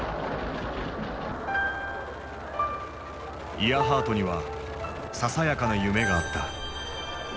イアハートにはささやかな夢があった。